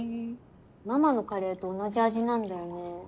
ママのカレーと同じ味なんだよね。